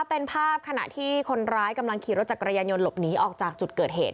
เป็นภาพขณะที่คนร้ายกำลังขี่รถจักรยานยนต์หลบหนีออกจากจุดเกิดเหตุ